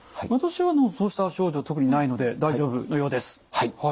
私はそうした症状特にないので大丈夫のようです。